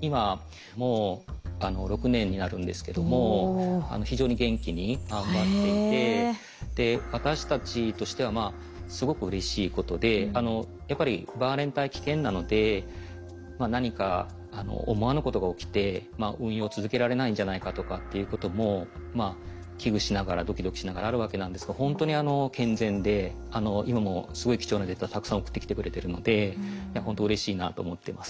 今もう６年になるんですけども非常に元気に頑張っていてで私たちとしてはすごくうれしいことでやっぱりバンアレン帯危険なので何か思わぬことが起きて運用を続けられないんじゃないかとかっていうことも危惧しながらドキドキしながらあるわけなんですがほんとに健全で今もすごい貴重なデータたくさん送ってきてくれてるのでほんとうれしいなと思っています。